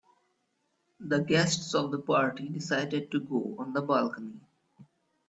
The guests of the party decided to go on the balcony.